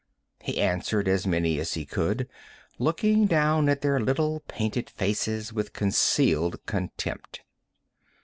He answered as many as he could, looking down at their little painted faces with concealed contempt.